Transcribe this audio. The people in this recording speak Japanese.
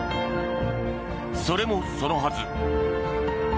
それもそのはず。